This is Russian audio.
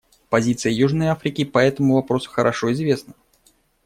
Позиция Южной Африки по этому вопросу хорошо известна.